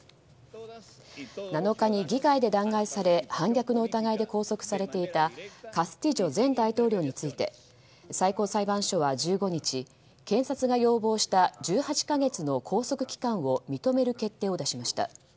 ７日に議会で弾劾され反逆の疑いで拘束されていたカスティジョ前大統領について最高裁判所は１５日検察が要望した１８か月の拘束期間を認める決定を出しました。